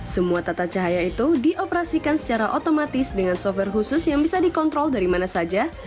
semua tata cahaya itu dioperasikan secara otomatis dengan software khusus yang bisa dikontrol dari mana saja